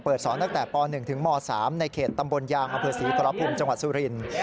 เปิดสอนตั้งแต่ป๑ถึงม๓ในเขตตำบลยางอเผื่อศรีพระรับภูมิจังหวัดสุรินทร์